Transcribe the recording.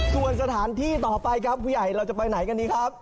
ส่วนสถานที่ต่อไปครับผู้ใหญ่เราจะไปไหนกันดีครับ